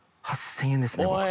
８０００円ですね。